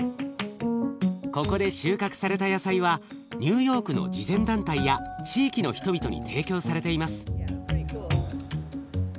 ここで収穫された野菜はニューヨークの慈善団体や地域の人々に提供されています。